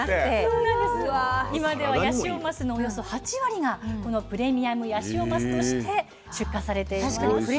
今ではヤシオマスのおよそ８割がこのプレミアムヤシオマスとして出荷されています。